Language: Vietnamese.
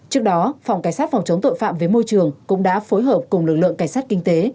trước đó phòng cảnh sát phòng chống tội phạm với môi trường cũng đã phối hợp cùng lực lượng cảnh sát kinh tế